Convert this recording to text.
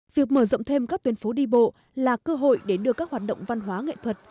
việc mở rộng thêm các tuyến phố đi bộ là cơ hội để đưa các hoạt động văn hóa nghệ thuật